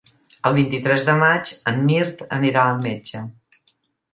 El vint-i-tres de maig en Mirt anirà al metge.